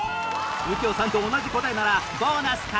右京さんと同じ答えならボーナス獲得